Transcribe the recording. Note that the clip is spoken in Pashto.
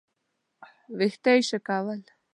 ويښته يې شکول.